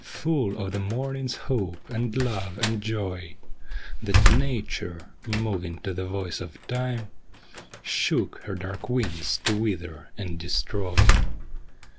Full of the morning's hope, and love and joy. That Nature, moving to the voice of Time, Shook her dark wings to wither and destroy.